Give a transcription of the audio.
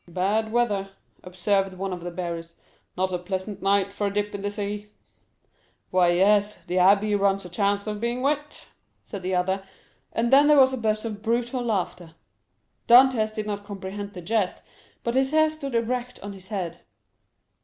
"Bad weather!" observed one of the bearers; "not a pleasant night for a dip in the sea." "Why, yes, the abbé runs a chance of being wet," said the other; and then there was a burst of brutal laughter. Dantès did not comprehend the jest, but his hair stood erect on his head.